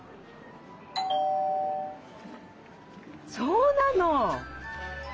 そうなの！